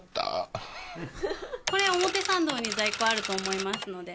これ表参道に在庫あると思いますので。